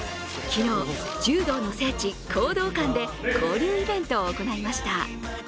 昨日、柔道の聖地・講道館で交流イベントを行いました。